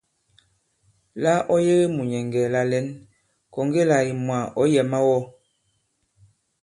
La ɔ yege mùnyɛ̀ŋgɛ̀ la lɛ̌n, kɔ̀ŋge là ìmwà ɔ̌ yɛ̀ mawɔ.